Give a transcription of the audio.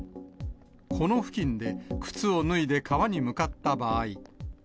この付近で靴を脱いで川に向かった場合。